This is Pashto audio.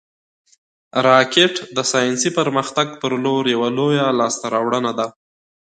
راکټ د ساینسي پرمختګ پر لور یوه لویه لاسته راوړنه ده